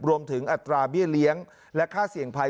อัตราเบี้ยเลี้ยงและค่าเสี่ยงภัย